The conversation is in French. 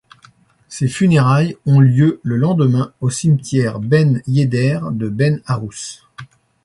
Ses funérailles ont lieu le lendemain au cimetière Ben Yedder de Ben Arous.